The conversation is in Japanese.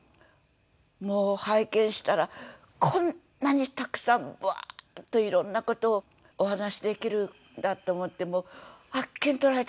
もう拝見したらこんなにたくさんバーッといろんな事をお話しできるんだって思ってもうあっけにとられて。